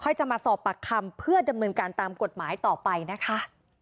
จะมาสอบปากคำเพื่อดำเนินการตามกฎหมายต่อไปนะคะ